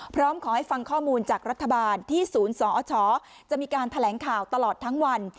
พร้อมขอให้ฟังข้อมูลจากรัฐบาลที่ศูนย์สอชจะมีการแถลงข่าวตลอดทั้งวัน